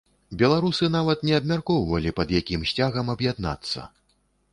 Беларусы нават не абмяркоўвалі, пад якім сцягам аб'яднацца.